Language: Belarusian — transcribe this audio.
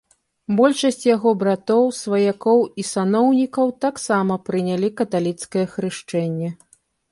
Большасць яго братоў, сваякоў і саноўнікаў таксама прынялі каталіцкае хрышчэнне.